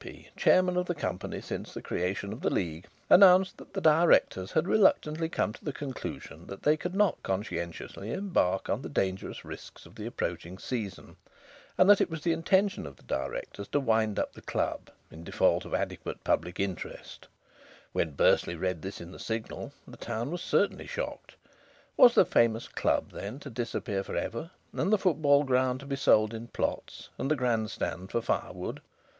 P., Chairman of the Company since the creation of the League, announced that the Directors had reluctantly come to the conclusion that they could not conscientiously embark on the dangerous risks of the approaching season, and that it was the intention of the Directors to wind up the club, in default of adequate public interest when Bursley read this in the Signal, the town was certainly shocked. Was the famous club, then, to disappear for ever, and the football ground to be sold in plots, and the grand stand for firewood?